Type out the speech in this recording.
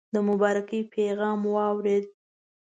د مبارکی پیغام واورېد.